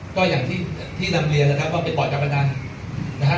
ก็อย่างที่ที่นำเรียนนะครับก็ไปปล่อยกับอันนั้นนะฮะ